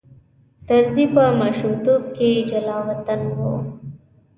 طرزی په ماشومتوب کې جلاوطن و.